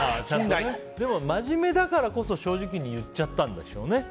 真面目だからこそ正直に言っちゃったんでしょうね。